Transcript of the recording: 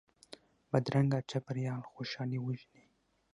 بدرنګه چاپېریال خوشحالي وژني